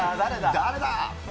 誰だ？